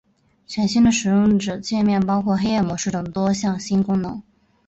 全新的使用者界面包括黑夜模式等多项新功能。